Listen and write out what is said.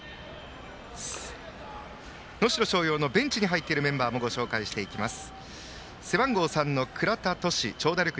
能代松陽のベンチに入っているメンバーもご紹介します。